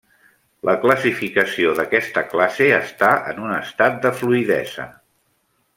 La classificació d'aquesta classe està en un estat de fluïdesa.